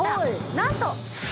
なんと！